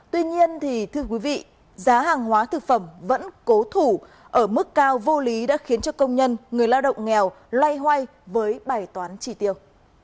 tuy nhiên giá hàng hóa thực phẩm vẫn cố thủ ở mức cao vô lý đã khiến công nhân người lao động nghèo lay hoay với bài toán trị tiêu